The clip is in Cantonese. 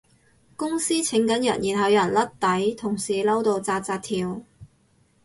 公司請緊人然後有人甩底，同事嬲到紮紮跳